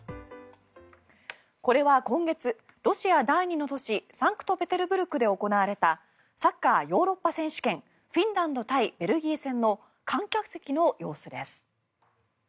これは今月、ロシア第２の都市サンクトペテルブルクで行われたサッカー、ヨーロッパ選手権フィンランド対ベルギー戦の観客席の様子です。